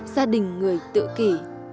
gia đình người tự kỷ